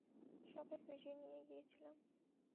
শপে ফিরিয়ে নিয়ে গিয়েছিলাম।